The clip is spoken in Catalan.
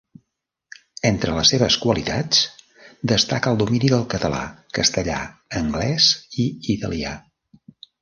Entre les seves qualitats destaca el domini del català, castellà, anglès i italià.